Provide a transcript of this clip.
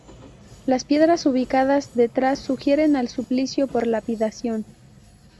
Las piedras ubicadas detrás, sugieren el suplicio por lapidación.